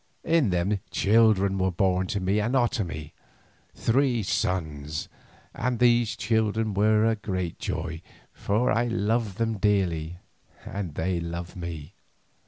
In them children were born to me and Otomie, three sons, and these children were my great joy, for I loved them dearly and they loved me.